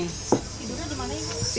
tidurnya di mana ini